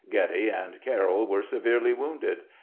Getty and Carroll were severely wounded.